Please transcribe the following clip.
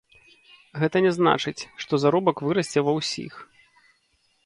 Гэта не значыць, што заробак вырасце ва ўсіх.